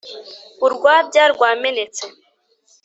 Urwabya rwamenetse.